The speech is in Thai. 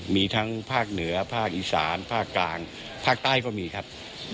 มีทั้งภาคเหนือภาคอีสานภาคกลางภาคใต้ก็มีครับ